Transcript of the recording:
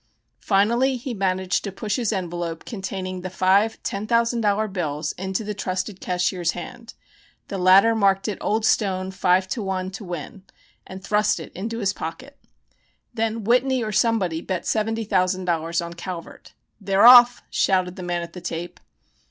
Finally he managed to push his envelope containing the five ten thousand dollar bills into the "trusted cashier's" hand. The latter marked it "Old Stone, 5 to 1 to win!" and thrust it into his pocket. Then "Whitney" or somebody bet $70,000 on Calvert. "They're off!" shouted the man at the tape.